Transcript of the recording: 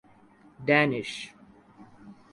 Danish